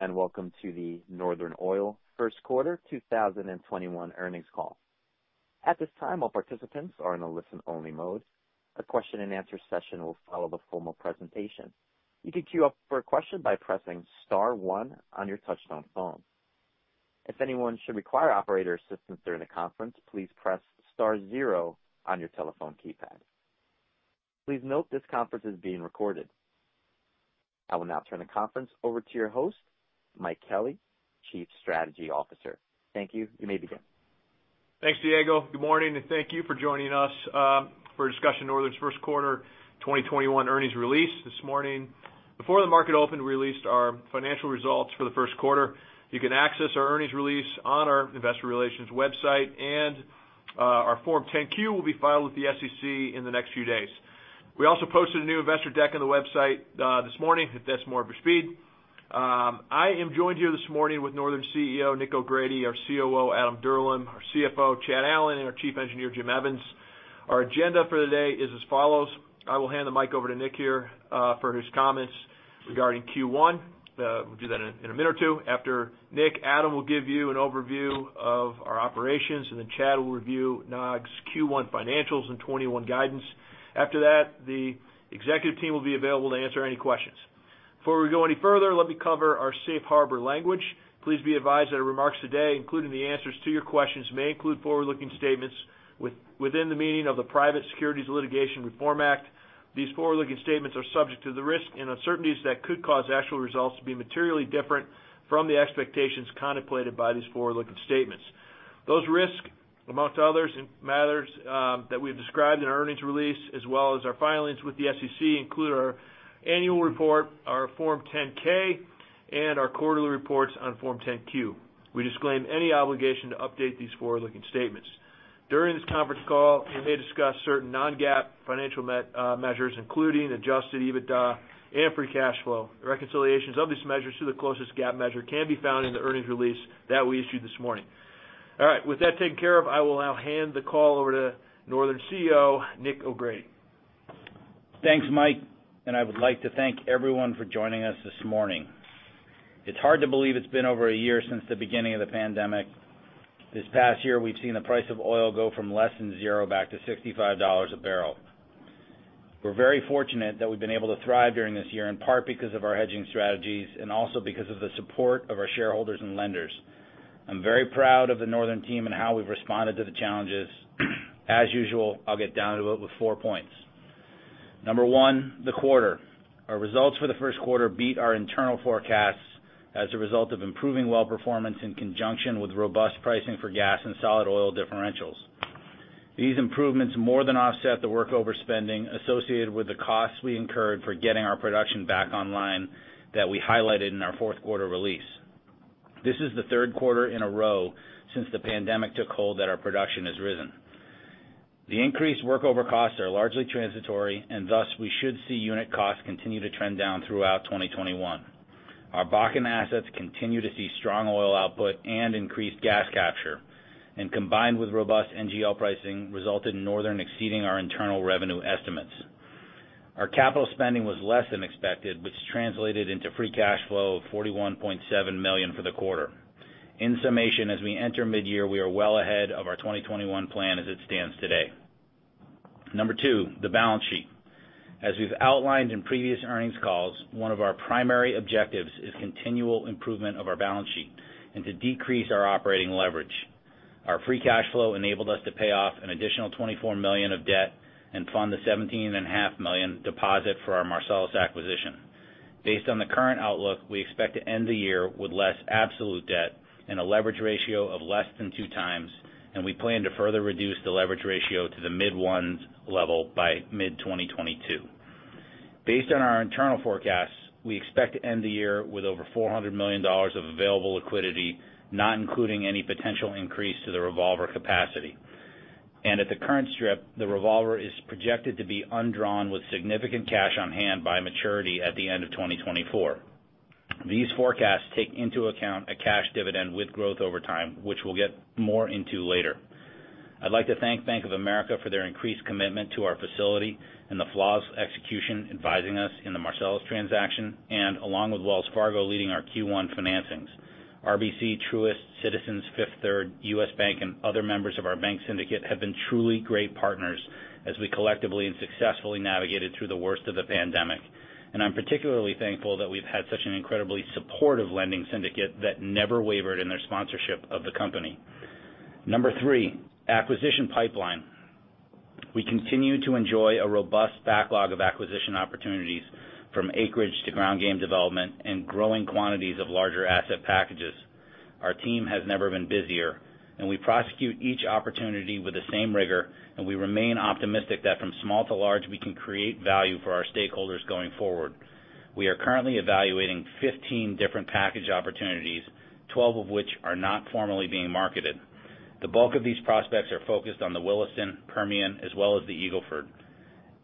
Welcome to the Northern Oil first quarter 2021 earnings call. At this time participants are only on listening mode. A question and answer session will follow the formal presentation. You need to queue up for a question by pressing star one on your touch-tone phone. If anyone require operator's assistance during the conference press star zero on your telephone keypad. Please note this conference is being recorded. I will now turn the conference over to your host, Mike Kelly, Chief Strategy Officer. Thank you. You may begin. Thanks, Diego. Good morning, and thank you for joining us for a discussion of Northern's first quarter 2021 earnings release this morning. Before the market opened, we released our financial results for the first quarter. You can access our earnings release on our investor relations website, and our Form 10-Q will be filed with the SEC in the next few days. We also posted a new investor deck on the website this morning, if that's more of your speed. I am joined here this morning with Northern's CEO, Nick O'Grady, our COO, Adam Dirlam, our CFO, Chad Allen, and our Chief Engineer, Jim Evans. Our agenda for the day is as follows. I will hand the mic over to Nick here, for his comments regarding Q1. We'll do that in a minute or two. After Nicholas O'Grady, Adam Dirlam will give you an overview of our operations. Chad Allen will review NOG Q1 financials and 2021 guidance. After that, the executive team will be available to answer any questions. Before we go any further, let me cover our safe harbor language. Please be advised that our remarks today, including the answers to your questions, may include forward-looking statements within the meaning of the Private Securities Litigation Reform Act. These forward-looking statements are subject to the risk and uncertainties that could cause actual results to be materially different from the expectations contemplated by these forward-looking statements. Those risks, among others, and matters that we have described in our earnings release, as well as our filings with the SEC, include our annual report, our Form 10-K, and our quarterly reports on Form 10-Q. We disclaim any obligation to update these forward-looking statements. During this conference call, we may discuss certain non-GAAP financial measures, including Adjusted EBITDA and Free Cash Flow. Reconciliations of these measures to the closest GAAP measure can be found in the earnings release that we issued this morning. All right. With that taken care of, I will now hand the call over to Northern's CEO, Nicholas O'Grady. Thanks, Mike. I would like to thank everyone for joining us this morning. It's hard to believe it's been over one year since the beginning of the pandemic. This past year, we've seen the price of oil go from less than zero back to $65 a barrel. We're very fortunate that we've been able to thrive during this year, in part because of our hedging strategies and also because of the support of our shareholders and lenders. I'm very proud of the Northern team and how we've responded to the challenges. As usual, I'll get down to it with four points. Number one, the quarter. Our results for the first quarter beat our internal forecasts as a result of improving well performance in conjunction with robust pricing for gas and solid oil differentials. These improvements more than offset the workover spending associated with the costs we incurred for getting our production back online that we highlighted in our fourth quarter release. This is the third quarter in a row since the pandemic took hold that our production has risen. The increase workover cost are largely transitory, thus, we should see unit costs continue to trend down throughout 2021. Our Bakken assets continue to see strong oil output and increased gas capture. Combined with robust NGL pricing, resulted in Northern exceeding our internal revenue estimates. Our capital spending was less than expected, which translated into Free Cash Flow of $41.7 million for the quarter. In summation, as we enter mid-year, we are well ahead of our 2021 plan as it stands today. Number two, the balance sheet. As we've outlined in previous earnings calls, one of our primary objectives is continual improvement of our balance sheet and to decrease our operating leverage. Our Free Cash Flow enabled us to pay off an additional $24 million of debt and fund the $17.5 million deposit for our Marcellus acquisition. Based on the current outlook, we expect to end the year with less absolute debt and a leverage ratio of less than two times, and we plan to further reduce the leverage ratio to the mid-ones level by mid-2022. Based on our internal forecasts, we expect to end the year with over $400 million of available liquidity, not including any potential increase to the revolver capacity. At the current strip, the revolver is projected to be undrawn with significant cash on hand by maturity at the end of 2024. These forecasts take into account a cash dividend with growth over time, which we'll get more into later. I'd like to thank Bank of America for their increased commitment to our facility and the flawless execution advising us in the Marcellus transaction, and along with Wells Fargo leading our Q1 financings. RBC, Truist, Citizens, Fifth Third, U.S. Bank, and other members of our bank syndicate have been truly great partners as we collectively and successfully navigated through the worst of the pandemic. I'm particularly thankful that we've had such an incredibly supportive lending syndicate that never wavered in their sponsorship of the company. Number three, acquisition pipeline. We continue to enjoy a robust backlog of acquisition opportunities, from acreage to ground-game development and growing quantities of larger asset packages. Our team has never been busier, and we prosecute each opportunity with the same rigor, and we remain optimistic that from small to large, we can create value for our stakeholders going forward. We are currently evaluating 15 different package opportunities, 12 of which are not formally being marketed. The bulk of these prospects are focused on the Williston, Permian, as well as the Eagle Ford.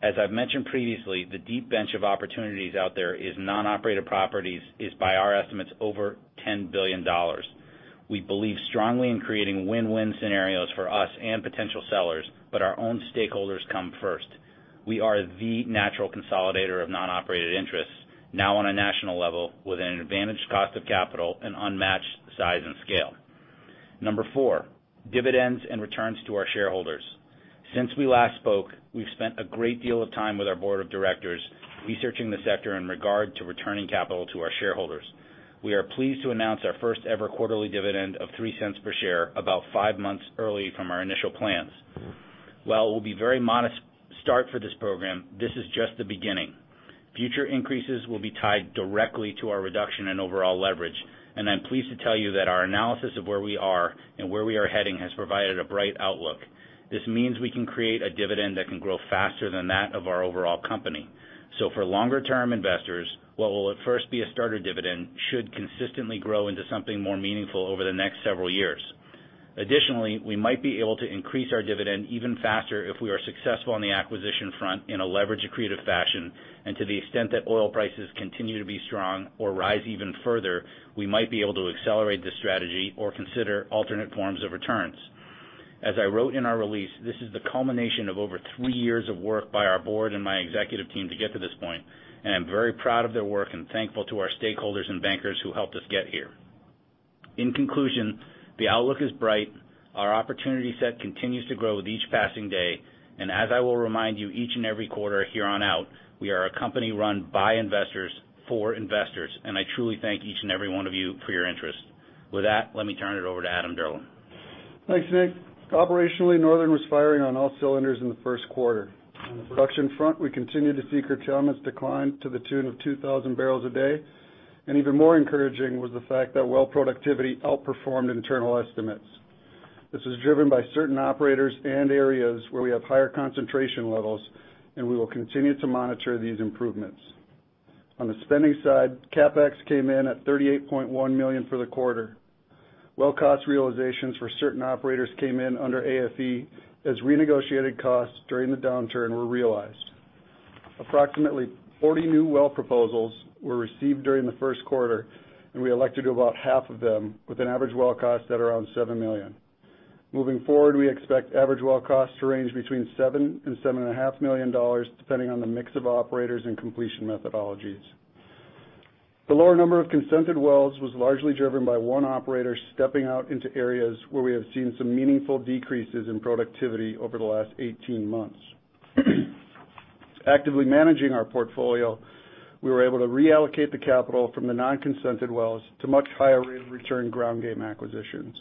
As I've mentioned previously, the deep bench of opportunities out there is non-operated properties, is by our estimates, over $10 billion. We believe strongly in creating win-win scenarios for us and potential sellers, but our own stakeholders come first. We are the natural consolidator of non-operated interests, now on a national level with an advantage cost of capital and unmatched size and scale. Number four, dividends and returns to our shareholders. Since we last spoke, we've spent a great deal of time with our board of directors researching the sector in regard to returning capital to our shareholders. We are pleased to announce our first-ever quarterly dividend of $0.03 per share about five months early from our initial plans. While it will be very modest start for this program, this is just the beginning. Future increases will be tied directly to our reduction in overall leverage. I'm pleased to tell you that our analysis of where we are and where we are heading has provided a bright outlook. This means we can create a dividend that can grow faster than that of our overall company. For longer term investors, what will at first be a starter dividend should consistently grow into something more meaningful over the next several years. Additionally, we might be able to increase our dividend even faster if we are successful on the acquisition front in a leverage accretive fashion. To the extent that oil prices continue to be strong or rise even further, we might be able to accelerate this strategy or consider alternate forms of returns. As I wrote in our release, this is the culmination of over three years of work by our board and my executive team to get to this point, and I'm very proud of their work and thankful to our stakeholders and bankers who helped us get here. In conclusion, the outlook is bright. Our opportunity set continues to grow with each passing day, and as I will remind you each and every quarter here on out, we are a company run by investors for investors, and I truly thank each and every one of you for your interest. With that, let me turn it over to Adam Dirlam. Thanks, Nick. Operationally, Northern was firing on all cylinders in the first quarter. On the production front, we continued to see curtailments decline to the tune of 2,000 bbl a day, and even more encouraging was the fact that well productivity outperformed internal estimates. This was driven by certain operators and areas where we have higher concentration levels, and we will continue to monitor these improvements. On the spending side, CapEx came in at $38.1 million for the quarter. Well cost realizations for certain operators came in under AFE as renegotiated costs during the downturn were realized. Approximately 40 new well proposals were received during the first quarter, and we elected about half of them with an average well cost at around $7 million. Moving forward, we expect average well costs to range between $7 million and $7.5 million, depending on the mix of operators and completion methodologies. The lower number of consented wells was largely driven by one operator stepping out into areas where we have seen some meaningful decreases in productivity over the last 18 months. Actively managing our portfolio, we were able to reallocate the capital from the non-consented wells to much higher rate of return ground game acquisitions.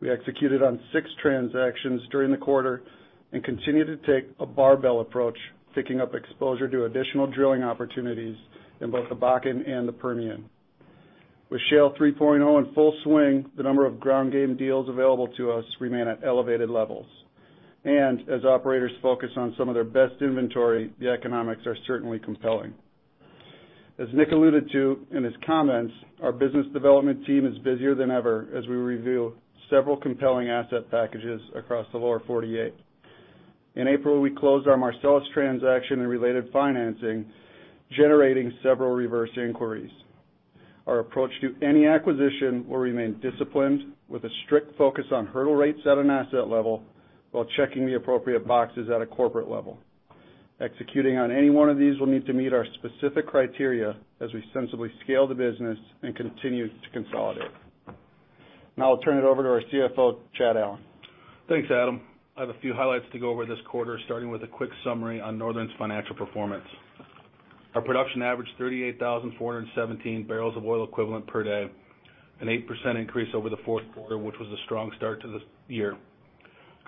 We executed on six transactions during the quarter and continue to take a barbell approach, picking up exposure to additional drilling opportunities in both the Bakken and the Permian. With Shale 3.0 in full swing, the number of ground game deals available to us remain at elevated levels. As operators focus on some of their best inventory, the economics are certainly compelling. As Nick alluded to in his comments, our business development team is busier than ever as we review several compelling asset packages across the Lower 48. In April, we closed our Marcellus transaction and related financing, generating several reverse inquiries. Our approach to any acquisition will remain disciplined with a strict focus on hurdle rates at an asset level while checking the appropriate boxes at a corporate level. Executing on any one of these will need to meet our specific criteria as we sensibly scale the business and continue to consolidate. Now I'll turn it over to our CFO, Chad Allen. Thanks, Adam. I have a few highlights to go over this quarter, starting with a quick summary on Northern's financial performance. Our production averaged 38,417 bbl of oil equivalent per day, an 8% increase over the fourth quarter, which was a strong start to the year.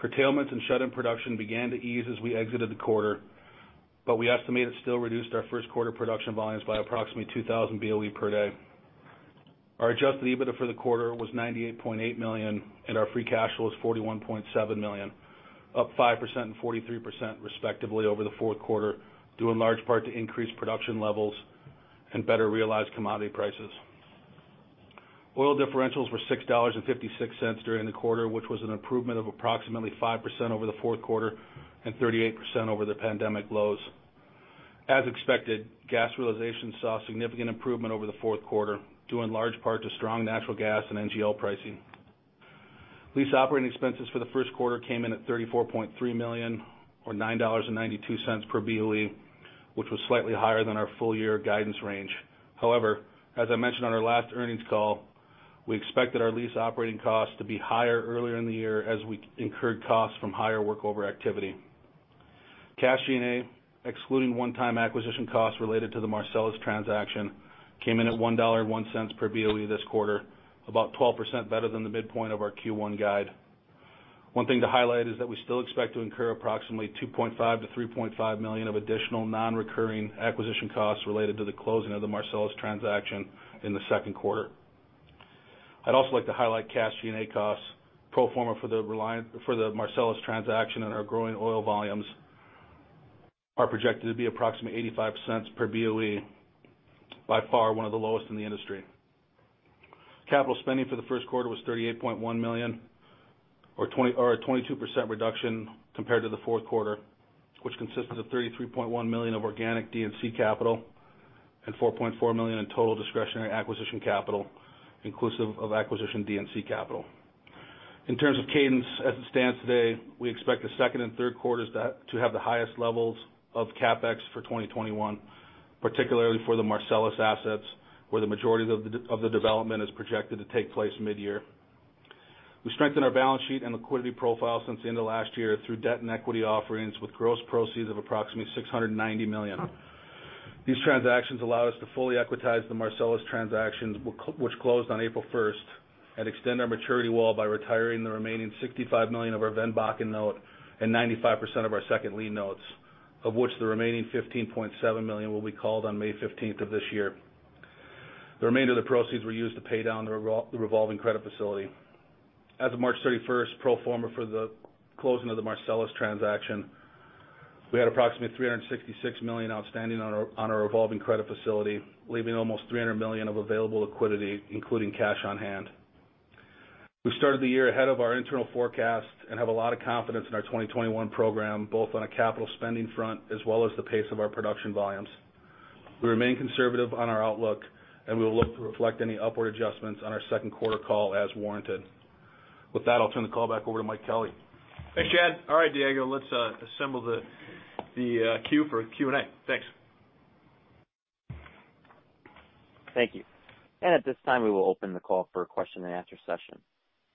Curtailments and shut-in production began to ease as we exited the quarter, but we estimate it still reduced our first quarter production volumes by approximately 2,000 BOE per day. Our Adjusted EBITDA for the quarter was $98.8 million, and our Free Cash Flow was $41.7 million, up 5% and 43% respectively over the fourth quarter, due in large part to increased production levels and better realized commodity prices. Oil differentials were $6.56 during the quarter, which was an improvement of approximately 5% over the fourth quarter and 38% over the pandemic lows. As expected, gas realization saw significant improvement over the fourth quarter, due in large part to strong natural gas and NGL pricing. Lease operating expenses for the first quarter came in at $34.3 million or $9.92 per BOE, which was slightly higher than our full year guidance range. However, as I mentioned on our last earnings call, we expected our lease operating expenses to be higher earlier in the year as we incurred costs from higher workover activity. Cash G&A, excluding one-time acquisition costs related to the Marcellus transaction, came in at $1.01 per BOE this quarter, about 12% better than the midpoint of our Q1 guide. One thing to highlight is that we still expect to incur approximately $2.5 million-$3.5 million of additional non-recurring acquisition costs related to the closing of the Marcellus transaction in the second quarter. I'd also like to highlight cash G&A costs pro forma for the Marcellus transaction, and our growing oil volumes are projected to be approximately $0.85 per BOE, by far one of the lowest in the industry. Capital spending for the first quarter was $38.1 million. A 22% reduction compared to the fourth quarter, which consists of $33.1 million of organic D&C capital and $4.4 million in total discretionary acquisition capital, inclusive of acquisition D&C capital. In terms of cadence, as it stands today, we expect the second and third quarters to have the highest levels of CapEx for 2021, particularly for the Marcellus assets, where the majority of the development is projected to take place mid-year. We strengthened our balance sheet and liquidity profile since the end of last year through debt and equity offerings with gross proceeds of approximately $690 million. These transactions allow us to fully equitize the Marcellus transactions, which closed on April 1st, and extend our maturity wall by retiring the remaining $65 million of our VEN Bakken note and 95% of our second lien notes, of which the remaining $15.7 million will be called on May 15th of this year. The remainder of the proceeds were used to pay down the revolving credit facility. As of March 31st, pro forma for the closing of the Marcellus transaction, we had approximately $366 million outstanding on our revolving credit facility, leaving almost $300 million of available liquidity, including cash on hand. We started the year ahead of our internal forecast and have a lot of confidence in our 2021 program, both on a capital spending front, as well as the pace of our production volumes. We remain conservative on our outlook, and we will look to reflect any upward adjustments on our second quarter call as warranted. With that, I'll turn the call back over to Mike Kelly. Thanks, Chad. All right, Diego, let's assemble the queue for Q&A. Thanks. Thank you. At this time, we will open the call for a question and answer session.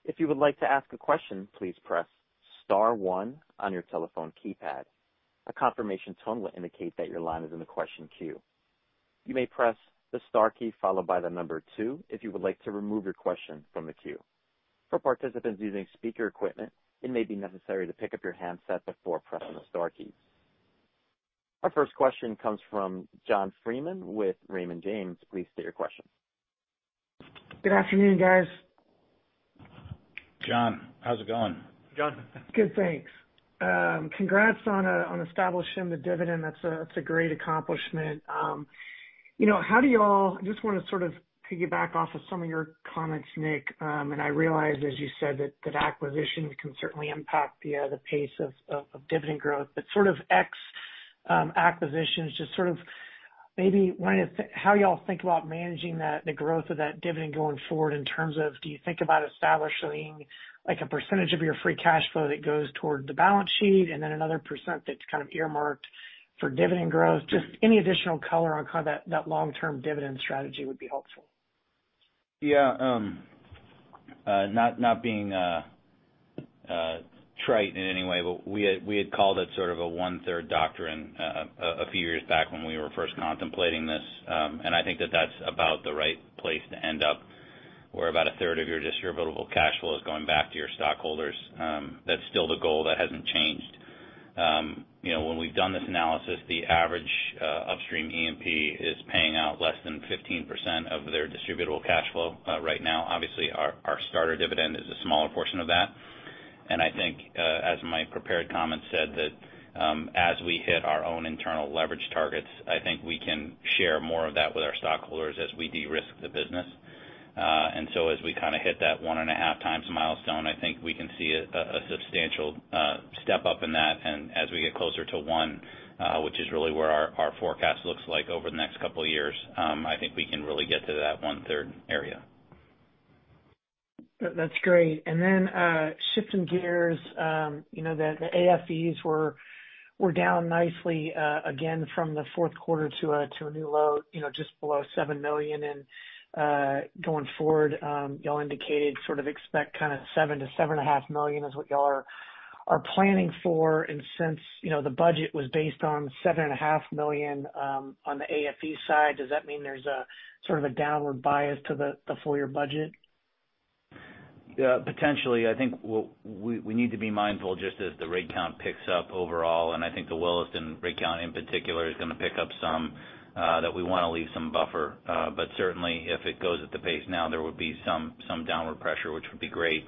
If you'd like to ask a question, please press star one on your telephone keypad. A confirmation tone will indicate your question is on the question queue. You may press star key followed by the number two if you may wish to remove your question from the queue. For participants with speaker equipment, it may be necessary to pick-up you handset before pressing the star key. Our first question comes from John Freeman with Raymond James. Please state your question. Good afternoon, guys. John, how's it going? John. Good, thanks. Congrats on establishing the dividend. That's a great accomplishment. I just want to piggyback off of some of your comments, Nick. I realize, as you said, that acquisition can certainly impact the pace of dividend growth. Ex-acquisitions, just maybe wondering how you all think about managing the growth of that dividend going forward in terms of do you think about establishing a percentage of your Free Cash Flow that goes toward the balance sheet and then another percentage that's kind of earmarked for dividend growth? Just any additional color on how that long-term dividend strategy would be helpful. Yeah. Not being trite in any way, We had called it sort of a 1/3 doctrine a few years back when we were first contemplating this, I think that that's about the right place to end up, where about a third of your distributable cash flow is going back to your stockholders. That's still the goal. That hasn't changed. When we've done this analysis, the average upstream E&P is paying out less than 15% of their distributable cash flow right now. Obviously, our starter dividend is a smaller portion of that. I think, as my prepared comment said, that as we hit our own internal leverage targets, I think we can share more of that with our stockholders as we de-risk the business. As we kind of hit that one and a half times milestone, I think we can see a substantial step-up in that. As we get closer to one, which is really where our forecast looks like over the next couple of years, I think we can really get to that 1/3 area. That's great. Shifting gears. The AFEs were down nicely again from the fourth quarter to a new low, just below $7 million. Going forward, you all indicated sort of expect kind of $7 million to $7.5 million is what you all are planning for. Since the budget was based on $7.5 million on the AFE side, does that mean there's a sort of a downward bias to the full-year budget? Yeah. Potentially. I think we need to be mindful just as the rig count picks up overall, and I think the Williston rig count in particular is going to pick up some, that we want to leave some buffer. Certainly, if it goes at the pace now, there would be some downward pressure, which would be great.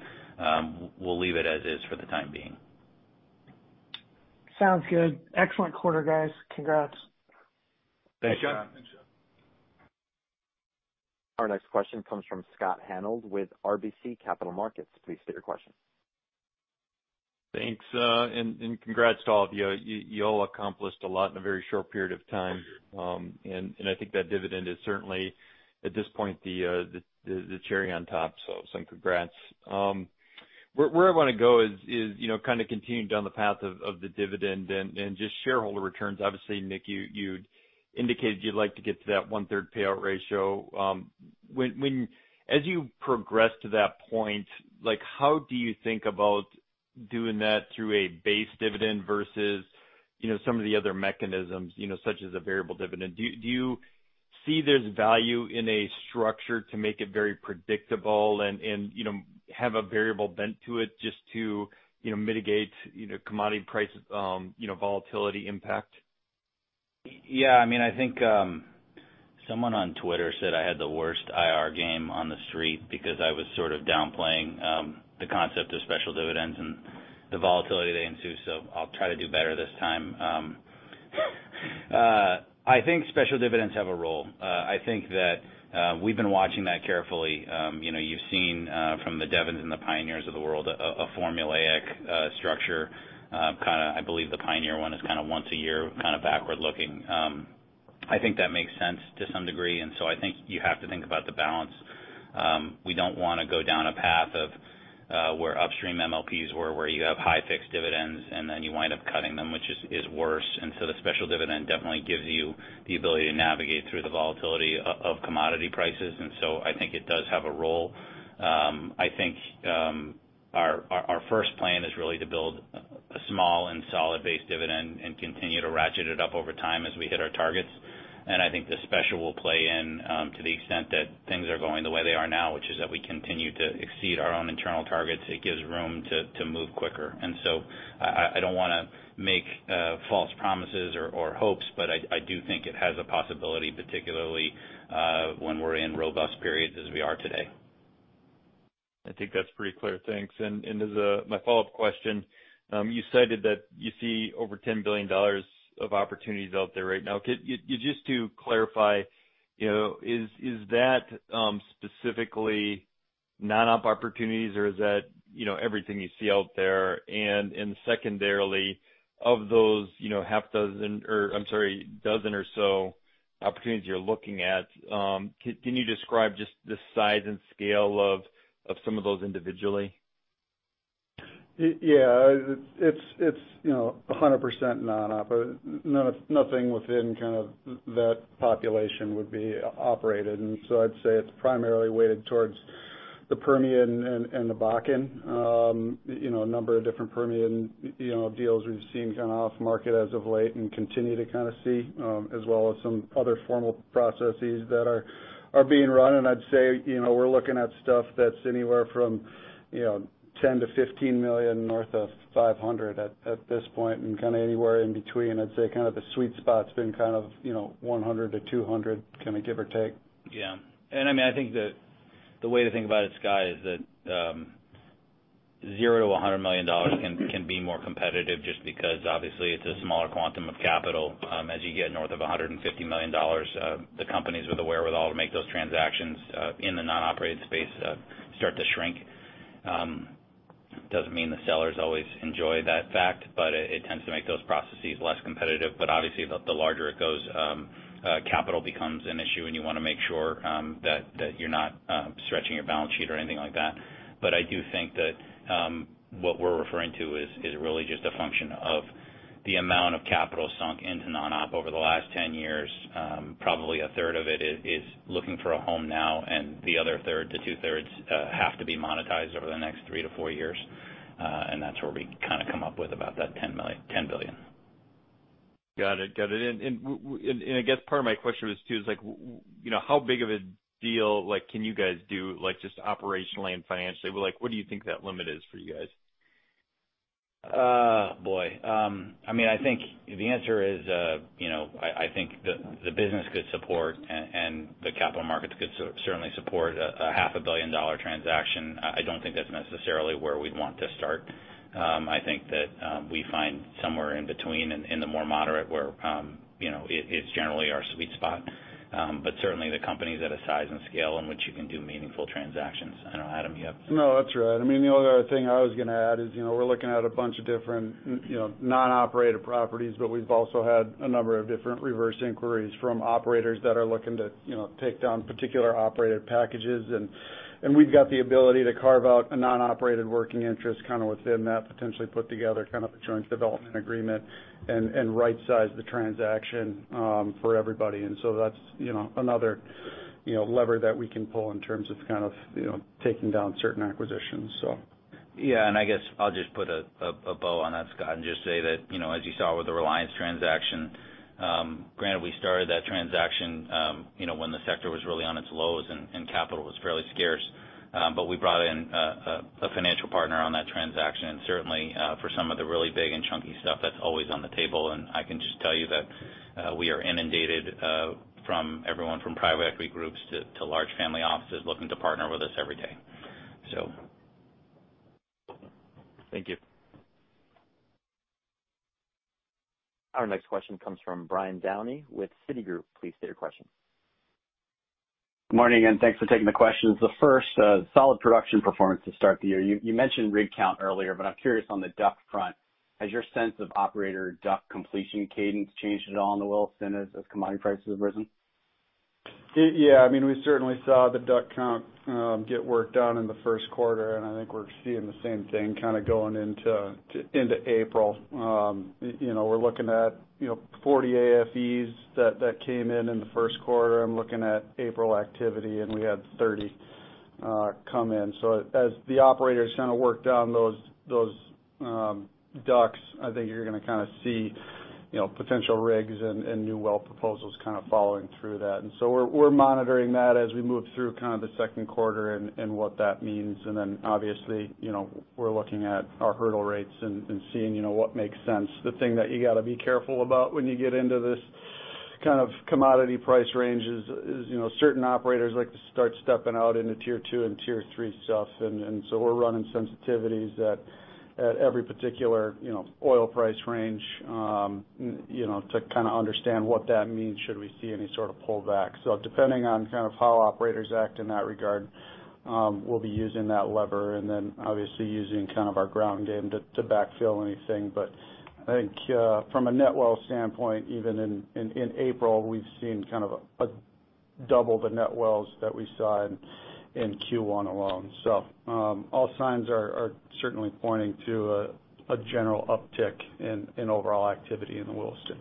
We'll leave it as is for the time being. Sounds good. Excellent quarter, guys. Congrats. Thanks, John. Thanks, John. Our next question comes from Scott Hanold with RBC Capital Markets. Please state your question. Thanks, congrats to all of you. You all accomplished a lot in a very short period of time. I think that dividend is certainly, at this point, the cherry on top. Some congrats. Where I want to go is kind of continuing down the path of the dividend and just shareholder returns. Obviously, Nick, you'd indicated you'd like to get to that 1/3 payout ratio. As you progress to that point, how do you think about doing that through a base dividend versus some of the other mechanisms, such as a variable dividend? Do you see there's value in a structure to make it very predictable and have a variable bent to it just to mitigate commodity price volatility impact? Yeah. I think someone on Twitter said I had the worst IR game on the street because I was sort of downplaying the concept of special dividends the volatility they ensue. I'll try to do better this time. I think special dividends have a role. I think that we've been watching that carefully. You've seen from the Devons and the Pioneers of the world, a formulaic structure. I believe the Pioneer one is once a year, backward-looking. I think that makes sense to some degree. I think you have to think about the balance. We don't want to go down a path of where upstream MLPs were, where you have high fixed dividends, you wind up cutting them, which is worse. The special dividend definitely gives you the ability to navigate through the volatility of commodity prices, and so I think it does have a role. I think our first plan is really to build a small and solid base dividend and continue to ratchet it up over time as we hit our targets. I think the special will play in, to the extent that things are going the way they are now, which is that we continue to exceed our own internal targets. It gives room to move quicker. I don't want to make false promises or hopes, but I do think it has a possibility, particularly when we're in robust periods as we are today. I think that's pretty clear. Thanks. As my follow-up question, you cited that you see over $10 billion of opportunities out there right now. Just to clarify, is that specifically non-op opportunities, or is that everything you see out there? Secondarily, of those dozen or so opportunities you're looking at, can you describe just the size and scale of some of those individually? Yeah. It's 100% non-op. Nothing within that population would be operated. I'd say it's primarily weighted towards the Permian and the Bakken. A number of different Permian deals we've seen off market as of late and continue to see, as well as some other formal processes that are being run. I'd say we're looking at stuff that's anywhere from $10 million-$15 million north of $500 at this point, and anywhere in between. I'd say the sweet spot's been $100 million-$200 million, give or take. Yeah. I think the way to think about it, Scott, is that $0-$100 million can be more competitive just because obviously it's a smaller quantum of capital. As you get north of $150 million, the companies with the wherewithal to make those transactions in the non-operated space start to shrink. Doesn't mean the sellers always enjoy that fact, but it tends to make those processes less competitive. Obviously, the larger it goes, capital becomes an issue, and you want to make sure that you're not stretching your balance sheet or anything like that. I do think that what we're referring to is really just a function of the amount of capital sunk into non-op over the last 10 years. Probably a third of it is looking for a home now, and the other third to two-thirds have to be monetized over the next three to four years. That's where we come up with about that $10 billion. Got it. I guess part of my question was too, how big of a deal can you guys do, just operationally and financially? What do you think that limit is for you guys? Boy. I think the answer is, I think the business could support, and the capital markets could certainly support a half a billion dollar transaction. I don't think that's necessarily where we'd want to start. I think that we find somewhere in between in the more moderate where it's generally our sweet spot. Certainly, the company's at a size and scale in which you can do meaningful transactions. I know, Adam, you have. No, that's right. The only other thing I was going to add is, we're looking at a bunch of different non-operated properties, but we've also had a number of different reverse inquiries from operators that are looking to take down particular operated packages. We've got the ability to carve out a non-operated working interest within that, potentially put together a joint development agreement, and rightsize the transaction for everybody. That's another lever that we can pull in terms of taking down certain acquisitions. I guess I'll just put a bow on that, Scott, and just say that, as you saw with the Reliance transaction, granted we started that transaction when the sector was really on its lows and capital was fairly scarce. We brought in a financial partner on that transaction. Certainly, for some of the really big and chunky stuff, that's always on the table, and I can just tell you that we are inundated from everyone from private equity groups to large family offices looking to partner with us every day. Thank you. Our next question comes from Brian Downey with Citigroup. Please state your question. Good morning, thanks for taking the questions. The first solid production performance to start the year. You mentioned rig count earlier, I'm curious on the DUC front. Has your sense of operator DUC completion cadence changed at all in the Williston since as commodity prices have risen? Yeah. We certainly saw the DUC count get worked on in the first quarter. I think we're seeing the same thing going into April. We're looking at 40 AFEs that came in in the first quarter. I'm looking at April activity. We had 30 AFEs come in. As the operators work down those DUCs, I think you're going to see potential rigs and new well proposals following through that. We're monitoring that as we move through the second quarter and what that means. Obviously, we're looking at our hurdle rates and seeing what makes sense. The thing that you got to be careful about when you get into this kind of commodity price range is, certain operators like to start stepping out into tier two and tier three stuff. We're running sensitivities at every particular oil price range, to kind of understand what that means, should we see any sort of pullback. Depending on how operators act in that regard, we'll be using that lever and then obviously using kind of our ground game to backfill anything. I think from a net well standpoint, even in April, we've seen kind of double the net wells that we saw in Q1 alone. All signs are certainly pointing to a general uptick in overall activity in the Williston.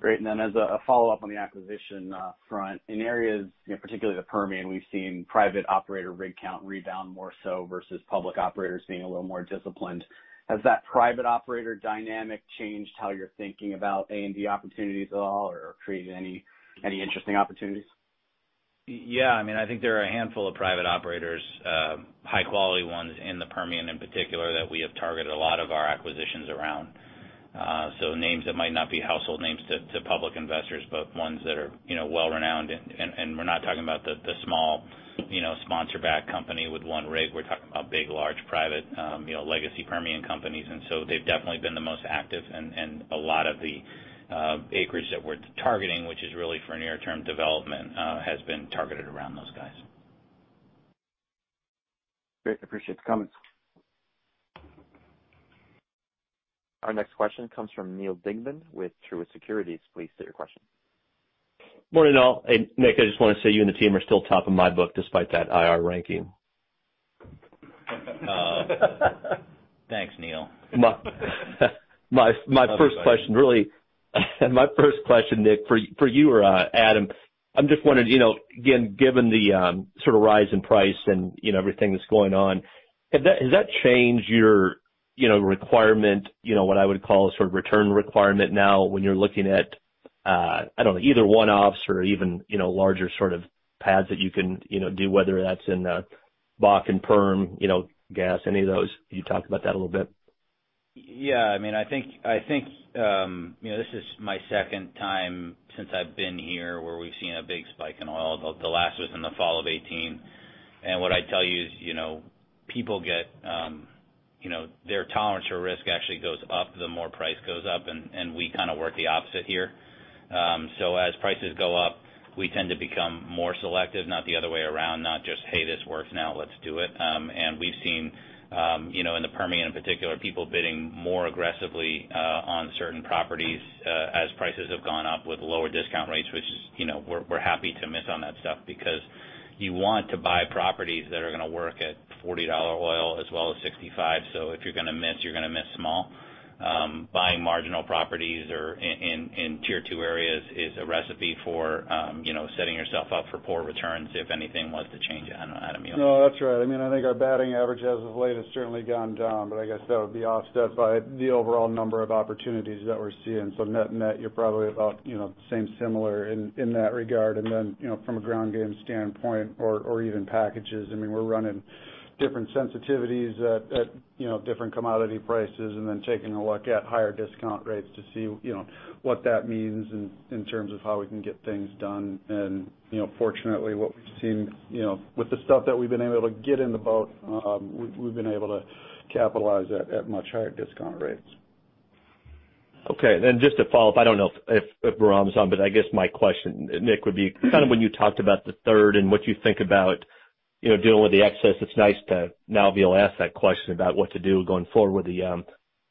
Great. As a follow-up on the acquisition front, in areas, particularly the Permian, we've seen private operator rig count rebound more so versus public operators being a little more disciplined. Has that private operator dynamic changed how you're thinking about A&D opportunities at all, or created any interesting opportunities? Yeah, I think there are a handful of private operators, high-quality ones in the Permian in particular, that we have targeted a lot of our acquisitions around. Names that might not be household names to public investors, but ones that are well-renowned. We're not talking about the small sponsor-backed company with one rig. We're talking about big, large, private legacy Permian companies. They've definitely been the most active and a lot of the acreage that we're targeting, which is really for near-term development, has been targeted around those guys. Great. Appreciate the comments. Our next question comes from Neal Dingmann with Truist Securities. Please state your question. Morning all. Nick, I just want to say you and the team are still top of my book despite that IR ranking. Thanks, Neal. My first question, Nick, for you or Adam, I'm just wondering, again, given the sort of rise in price and everything that's going on, has that changed your requirement, what I would call a sort of return requirement now when you're looking at, either one-offs or even larger sort of pads that you can do, whether that's in the Bakken Perm, gas, any of those? Can you talk about that a little bit? Yeah. I think this is my second time since I've been here where we've seen a big spike in oil. The last was in the fall of 2018. What I tell you is, their tolerance for risk actually goes up the more price goes up, and we kind of work the opposite here. As prices go up, we tend to become more selective, not the other way around, not just, "Hey, this works, now let's do it." We've seen, in the Permian in particular, people bidding more aggressively on certain properties as prices have gone up with lower discount rates, which we're happy to miss on that stuff because you want to buy properties that are going to work at $40 oil as well as $65. If you're going to miss, you're going to miss small. Buying marginal properties or in tier two areas is a recipe for setting yourself up for poor returns if anything was to change. I don't know, Adam. No, that's right. I think our batting average as of late has certainly gone down, but I guess that would be offset by the overall number of opportunities that we're seeing. Net-net, you're probably about same, similar in that regard. Then, from a ground game standpoint or even packages, we're running different sensitivities at different commodity prices and then taking a look at higher discount rates to see what that means in terms of how we can get things done. Fortunately what we've seen with the stuff that we've been able to get in the boat, we've been able to capitalize at much higher discount rates. Okay, just to follow up, I don't know if Bahram's on, but I guess my question, Nick, would be kind of when you talked about the third and what you think about dealing with the excess, it's nice to now be able to ask that question about what to do going forward with the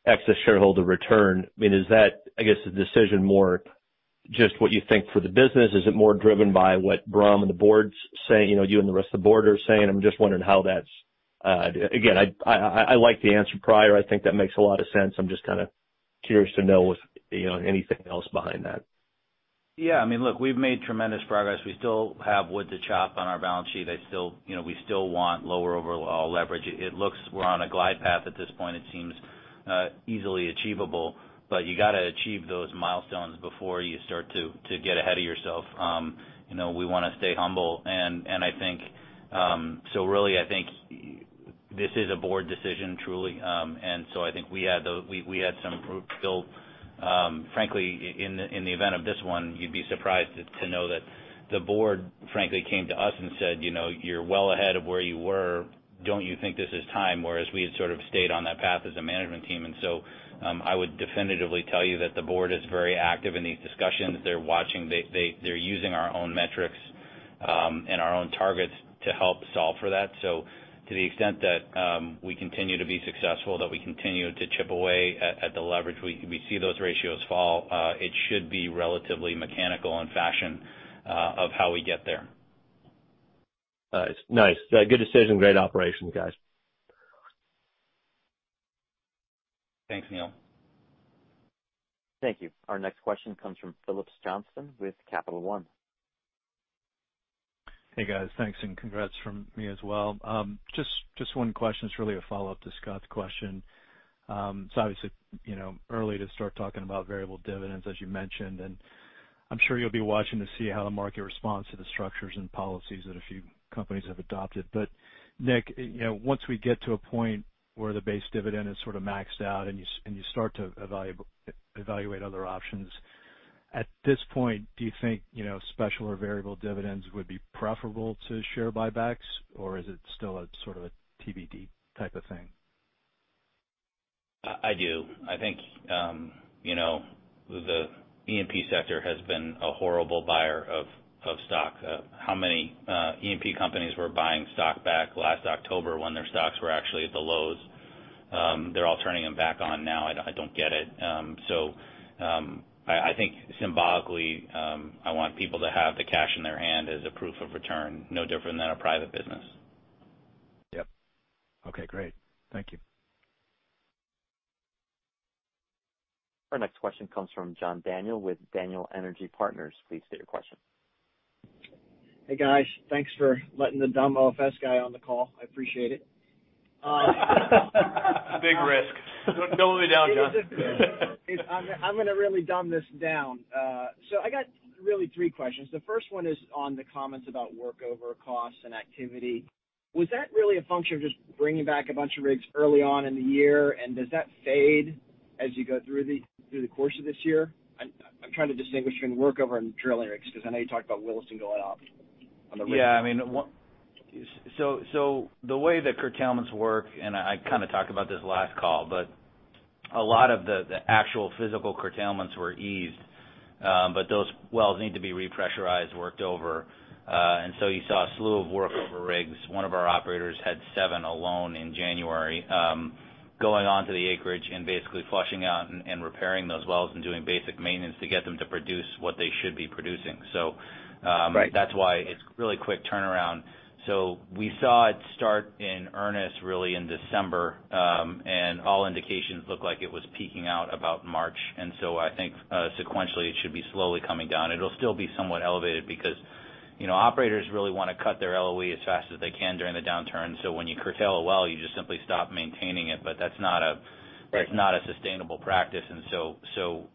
excess shareholder return. Is that, I guess, the decision more just what you think for the business? Is it more driven by what Bahram and the board's saying, you and the rest of the board are saying? Again, I like the answer prior. I think that makes a lot of sense. I'm just kind of curious to know if anything else behind that. Yeah, look, we've made tremendous progress. We still have wood to chop on our balance sheet. We still want lower overall leverage. It looks we're on a glide path at this point. It seems easily achievable, you got to achieve those milestones before you start to get ahead of yourself. We want to stay humble, really, I think this is a board decision, truly. I think we had some group buy-in. Frankly, in the event of this one, you'd be surprised to know that the board, frankly, came to us and said, "You're well ahead of where you were. Don't you think this is time?" Whereas we had sort of stayed on that path as a management team. I would definitively tell you that the board is very active in these discussions. They're watching. They're using our own metrics, and our own targets to help solve for that. To the extent that we continue to be successful, that we continue to chip away at the leverage, we see those ratios fall, it should be relatively mechanical in fashion of how we get there. Nice. Good decision. Great operation, guys. Thanks, Neal. Thank you. Our next question comes from Phillips Johnston with Capital One. Hey, guys. Thanks and congrats from me as well. Just one question. It's really a follow-up to Scott Hanold's question. Obviously, early to start talking about variable dividends, as you mentioned, and I'm sure you'll be watching to see how the market responds to the structures and policies that a few companies have adopted. Nicholas O'Grady, once we get to a point where the base dividend is sort of maxed out and you start to evaluate other options, at this point, do you think special or variable dividends would be preferable to share buybacks? Or is it still a TBD type of thing? I do. I think the E&P sector has been a horrible buyer of stock. How many E&P companies were buying stock back last October when their stocks were actually at the lows? They're all turning them back on now. I don't get it. I think symbolically, I want people to have the cash in their hand as a proof of return, no different than a private business. Yep. Okay, great. Thank you. Our next question comes from John Daniel with Daniel Energy Partners. Please state your question. Hey, guys. Thanks for letting the dumb OFS guy on the call. I appreciate it. Big risk. Don't let me down, John. I'm going to really dumb this down. I got really three questions. The first one is on the comments about workover costs and activity. Was that really a function of just bringing back a bunch of rigs early on in the year? Does that fade as you go through the course of this year? I'm trying to distinguish between workover and drilling rigs, because I know you talked about Williston going off on the rigs. Yeah. The way that curtailments work, I kind of talked about this last call, but a lot of the actual physical curtailments were eased. Those wells need to be repressurized, worked over. You saw a slew of workover rigs. One of our operators had seven alone in January, going onto the acreage and basically flushing out and repairing those wells and doing basic maintenance to get them to produce what they should be producing. Right that's why it's really quick turnaround. We saw it start in earnest really in December, and all indications looked like it was peaking out about March. I think sequentially, it should be slowly coming down. It'll still be somewhat elevated because operators really want to cut their LOE as fast as they can during the downturn. When you curtail a well, you just simply stop maintaining it. Right sustainable practice. The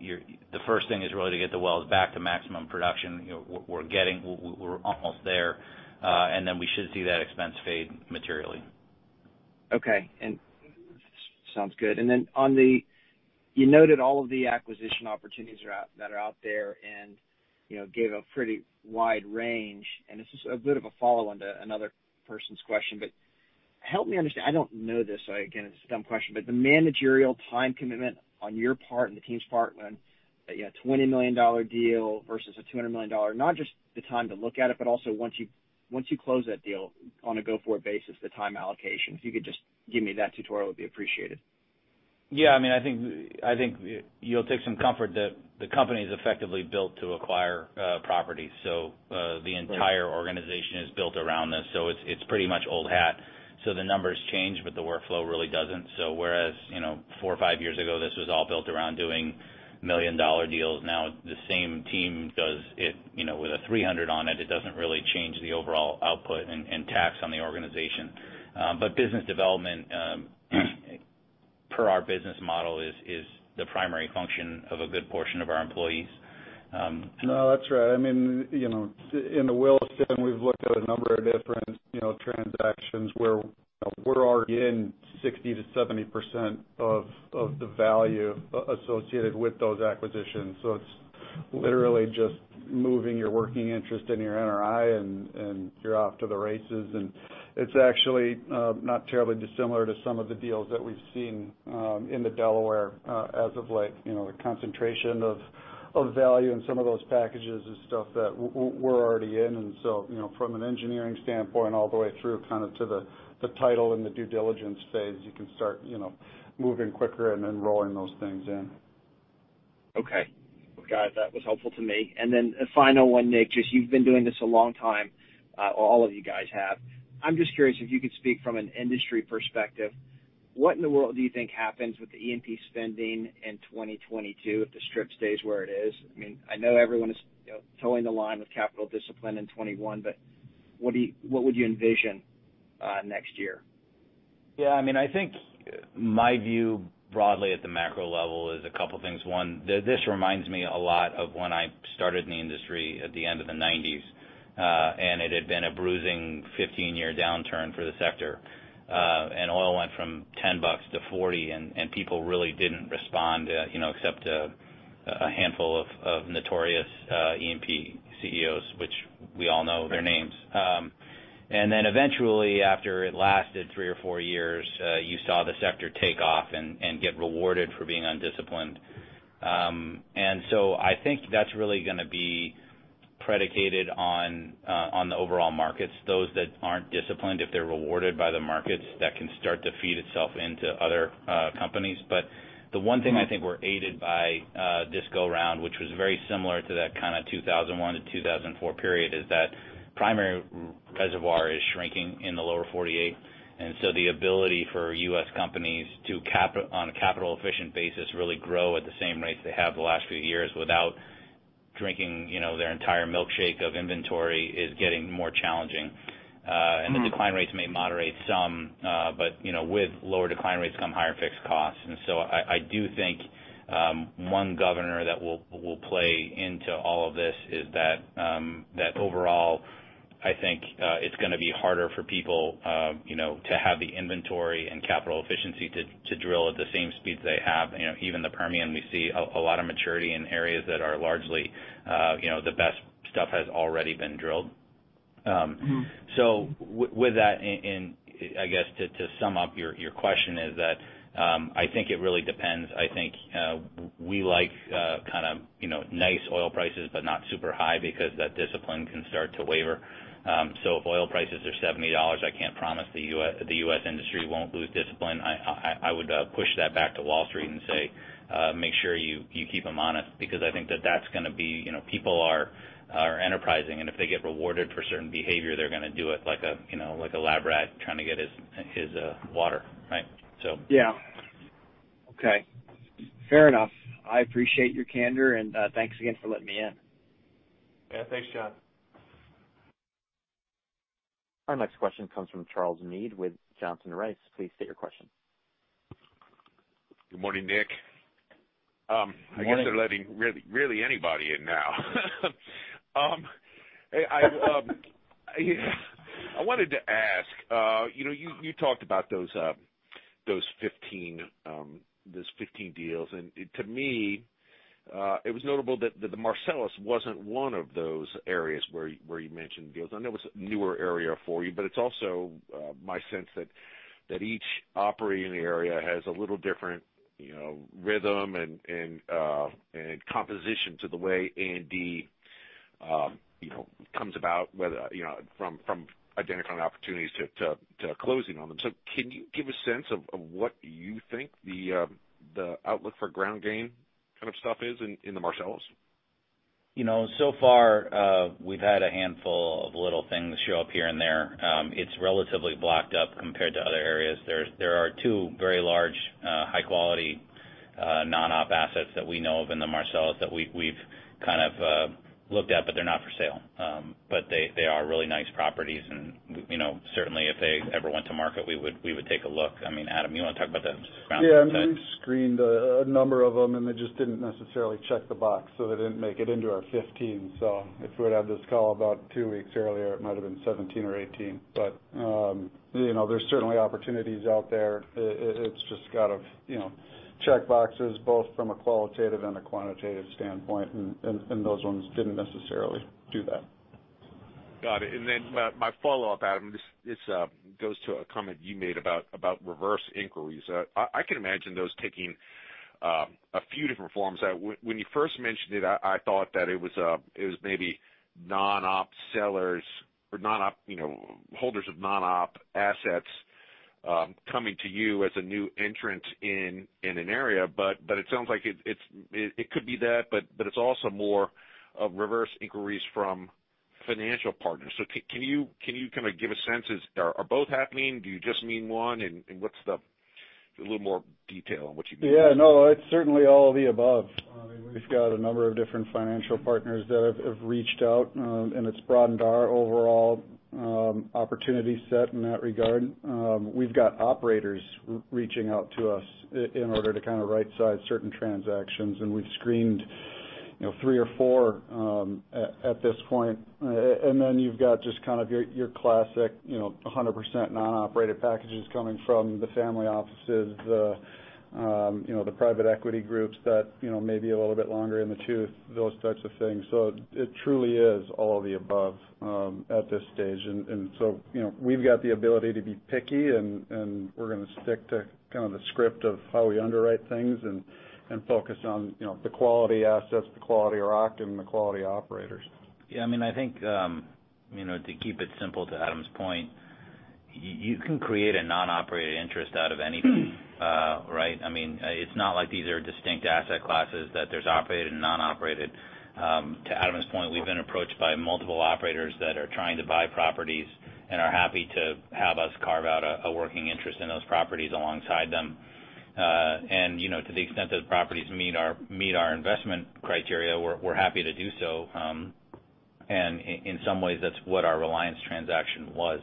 first thing is really to get the wells back to maximum production. We're almost there, then we should see that expense fade materially. Okay. Sounds good. Then you noted all of the acquisition opportunities that are out there and gave a pretty wide range, and this is a bit of a follow-on to another person's question. Help me understand, I don't know this, so again, it's a dumb question. The managerial time commitment on your part and the team's part when a $20 million deal versus a $200 million, not just the time to look at it, but also once you close that deal on a go-forward basis, the time allocation. If you could just give me that tutorial, it would be appreciated. Yeah. I think you'll take some comfort that the company is effectively built to acquire properties. The entire organization is built around this, so it's pretty much old hat. The numbers change, but the workflow really doesn't. Whereas four or five years ago, this was all built around doing million-dollar deals, now the same team does it with a $300 on it. It doesn't really change the overall output and tax on the organization. Business development, per our business model, is the primary function of a good portion of our employees. No, that's right. In the Williston, we've looked at a number of different transactions where we're already in 60%-70% of the value associated with those acquisitions. It's literally just moving your working interest in your NRI, and you're off to the races. It's actually not terribly dissimilar to some of the deals that we've seen in the Delaware as of late. The concentration of value in some of those packages is stuff that we're already in. From an engineering standpoint, all the way through to the title and the due diligence phase, you can start moving quicker and then rolling those things in. Okay. Guys, that was helpful to me. A final one, Nick, just you've been doing this a long time. All of you guys have. I'm just curious if you could speak from an industry perspective. What in the world do you think happens with the E&P spending in 2022 if the strip stays where it is? I know everyone is toeing the line with capital discipline in 2021, but what would you envision next year? Yeah, I think my view broadly at the macro level is a couple things. One, this reminds me a lot of when I started in the industry at the end of the 1990s. It had been a bruising 15-year downturn for the sector. Oil went from $10-$40, people really didn't respond, except a handful of notorious E&P CEOs, which we all know their names. Then eventually, after it lasted three or four years, you saw the sector take off and get rewarded for being undisciplined. So I think that's really gonna be predicated on the overall markets. Those that aren't disciplined, if they're rewarded by the markets, that can start to feed itself into other companies. The one thing I think we're aided by this go around, which was very similar to that 2001 to 2004 period, is that primary reservoir is shrinking in the Lower 48. So the ability for U.S. companies to, on a capital efficient basis, really grow at the same rates they have the last few years without drinking their entire milkshake of inventory is getting more challenging. The decline rates may moderate some, but with lower decline rates come higher fixed costs. I do think one governor that will play into all of this is that overall I think it's going to be harder for people to have the inventory and capital efficiency to drill at the same speeds they have. Even the Permian, we see a lot of maturity in areas that are largely, the best stuff has already been drilled. With that, and I guess to sum up your question is that, I think it really depends. I think we like kind of nice oil prices, but not super high because that discipline can start to waver. If oil prices are $70, I can't promise the U.S. industry won't lose discipline. I would push that back to Wall Street and say, "Make sure you keep them honest," because I think that that's going to be people are enterprising, and if they get rewarded for certain behavior, they're going to do it like a lab rat trying to get his water, right. Yeah. Okay. Fair enough. I appreciate your candor, and thanks again for letting me in. Yeah, thanks, John. Our next question comes from Charles Meade with Johnson Rice. Please state your question. Good morning, Nicholas. Good morning. I guess they're letting really anybody in now. I wanted to ask, you talked about those 15 deals. To me, it was notable that the Marcellus wasn't one of those areas where you mentioned deals. I know it's a newer area for you. It's also my sense that each operating area has a little different rhythm and composition to the way A&D comes about from identifying opportunities to closing on them. Can you give a sense of what you think the outlook for ground game kind of stuff is in the Marcellus? Far, we've had a handful of little things show up here and there. It's relatively blocked up compared to other areas. There are two very large, high-quality, non-op assets that we know of in the Marcellus that we've kind of looked at, but they're not for sale. They are really nice properties and certainly if they ever went to market, we would take a look. Adam, you want to talk about the ground Yeah. We screened a number of them, and they just didn't necessarily check the box, so they didn't make it into our 15. If we'd had this call about two weeks earlier, it might've been 17 or 18. There's certainly opportunities out there. It's just got to check boxes both from a qualitative and a quantitative standpoint, and those ones didn't necessarily do that. Got it. My follow-up, Adam, this goes to a comment you made about reverse inquiries. I can imagine those taking a few different forms. When you first mentioned it, I thought that it was maybe non-op sellers or holders of non-op assets coming to you as a new entrant in an area. It sounds like it could be that, but it's also more of reverse inquiries from financial partners. Can you kind of give a sense, are both happening? Do you just mean one? What's a little more detail on what you mean? Yeah, no, it's certainly all of the above. We've got a number of different financial partners that have reached out, and it's broadened our overall opportunity set in that regard. We've got operators reaching out to us in order to kind of right size certain transactions, and we've screened three or four at this point. Then you've got just kind of your classic 100% non-operated packages coming from the family offices, the private equity groups that may be a little bit longer in the tooth, those types of things. It truly is all of the above at this stage. We've got the ability to be picky, and we're going to stick to kind of the script of how we underwrite things and focus on the quality assets, the quality rock, and the quality operators. I think to keep it simple to Adam Dirlam's point, you can create a non-operated interest out of anything, right? It's not like these are distinct asset classes that there's operated and non-operated. To Adam Dirlam's point, we've been approached by multiple operators that are trying to buy properties and are happy to have us carve out a working interest in those properties alongside them. To the extent that properties meet our investment criteria, we're happy to do so. In some ways, that's what our Reliance transaction was,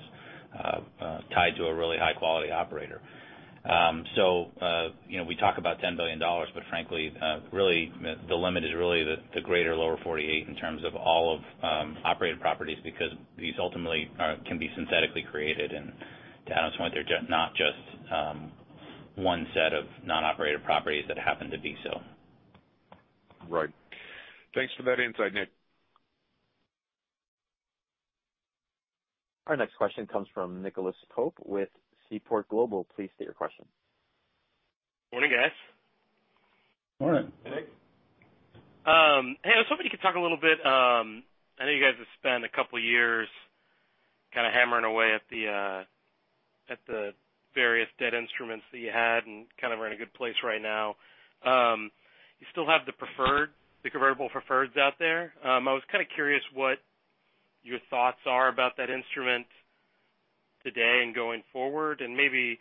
tied to a really high-quality operator. We talk about $10 billion, but frankly, really the limit is really the greater Lower 48 in terms of all of operated properties because these ultimately can be synthetically created. To Adam Dirlam's point, they're not just one set of non-operated properties that happen to be so. Right. Thanks for that insight, Nicholas. Our next question comes from Nicholas Pope with Seaport Global. Please state your question. Morning, guys. Morning. Hey, Nick. Hey, I was hoping you could talk a little bit. I know you guys have spent a couple of years kind of hammering away at the various debt instruments that you had and kind of are in a good place right now. You still have the preferred, the convertible preferreds out there. I was kind of curious what your thoughts are about that instrument today and going forward, and maybe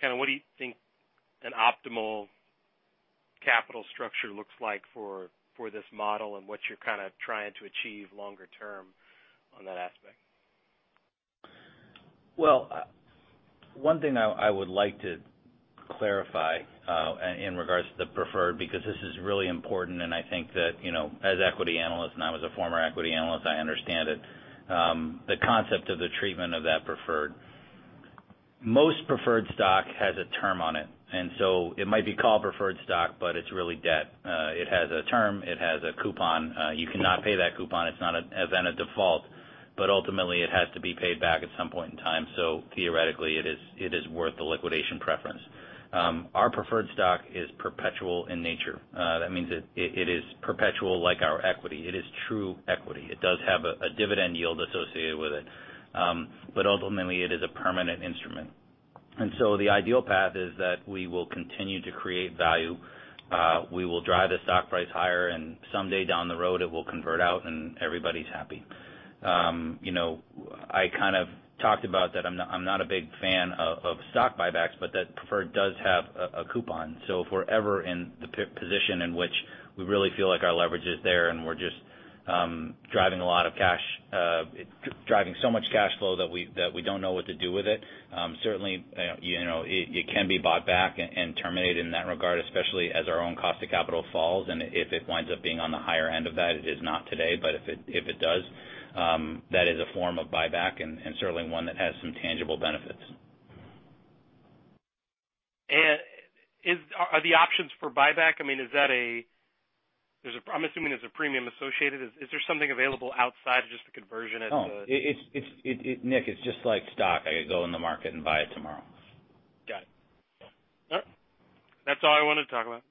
kind of what do you think an optimal capital structure looks like for this model and what you're kind of trying to achieve longer term on that aspect? Well, one thing I would like to clarify in regards to the preferred, because this is really important, and I think that as equity analyst, and I was a former equity analyst, I understand it, the concept of the treatment of that preferred. Most preferred stock has a term on it. It might be called preferred stock, but it's really debt. It has a term, it has a coupon. You cannot pay that coupon. It's not then a default, but ultimately it has to be paid back at some point in time. Theoretically, it is worth the liquidation preference. Our preferred stock is perpetual in nature. That means it is perpetual like our equity. It is true equity. It does have a dividend yield associated with it. Ultimately, it is a permanent instrument. The ideal path is that we will continue to create value. We will drive the stock price higher, and someday down the road it will convert out and everybody's happy. I kind of talked about that I'm not a big fan of stock buybacks, but that preferred does have a coupon. If we're ever in the position in which we really feel like our leverage is there and we're just driving so much cash flow that we don't know what to do with it, certainly, it can be bought back and terminated in that regard, especially as our own cost of capital falls. If it winds up being on the higher end of that, it is not today, but if it does, that is a form of buyback and certainly one that has some tangible benefits. Are the options for buyback? I'm assuming there's a premium associated. Is there something available outside of just the conversion? No. Nick, it's just like stock. I could go in the market and buy it tomorrow. Got it. All right. That's all I wanted to talk about.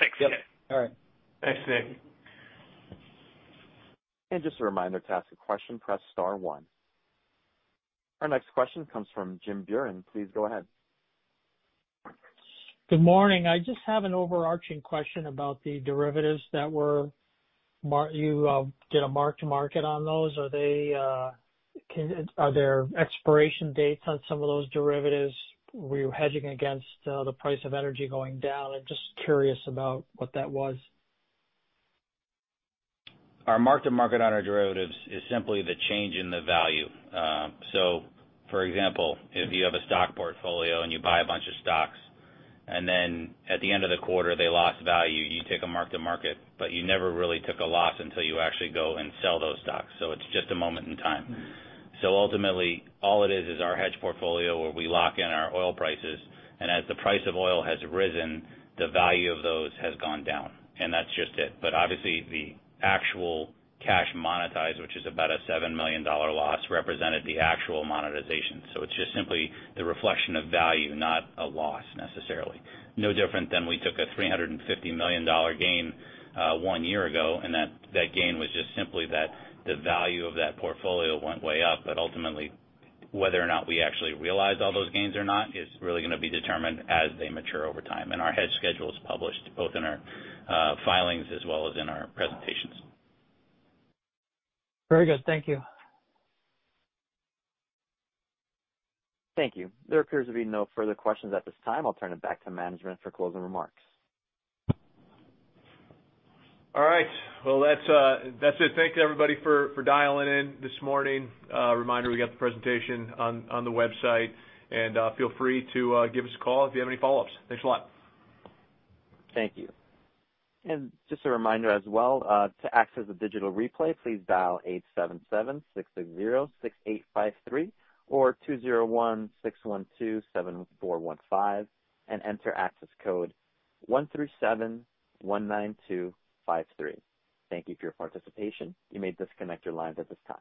Thanks. Yep. All right. Thanks, Nicholas. Just a reminder, to ask a question, press star one. Our next question comes from Jim Buren. Please go ahead. Good morning. I just have an overarching question about the derivatives that you did a mark to market on those. Are there expiration dates on some of those derivatives? Were you hedging against the price of energy going down? I'm just curious about what that was. Our mark to market on our derivatives is simply the change in the value. For example, if you have a stock portfolio and you buy a bunch of stocks, and then at the end of the quarter they lost value, you take a mark-to-market, but you never really took a loss until you actually go and sell those stocks. It's just a moment in time. Ultimately, all it is our hedge portfolio where we lock in our oil prices, and as the price of oil has risen, the value of those has gone down. That's just it. Obviously the actual cash monetized, which is about a $7 million loss, represented the actual monetization. It's just simply the reflection of value, not a loss necessarily. No different than we took a $350 million gain one year ago, and that gain was just simply that the value of that portfolio went way up. Ultimately, whether or not we actually realized all those gains or not is really going to be determined as they mature over time. Our hedge schedule is published both in our filings as well as in our presentations. Very good. Thank you. Thank you. There appears to be no further questions at this time. I'll turn it back to management for closing remarks. All right. Well, that's it. Thank you everybody for dialing in this morning. A reminder, we got the presentation on the website. Feel free to give us a call if you have any follow-ups. Thanks a lot. Thank you. Just a reminder as well, to access the digital replay, please dial 877-660-6853 or 201-612-7415 and enter access code 13719253. Thank you for your participation. You may disconnect your lines at this time.